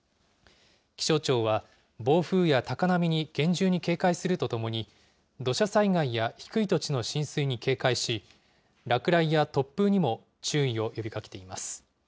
気象庁は暴風や高波に厳重に警戒するとともに、土砂災害や低い土地の浸水に警戒し、落雷や突風にも注意を呼びかけています。